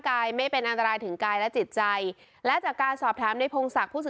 ค่าไม่ติดใจเอาความไม่เป็นไร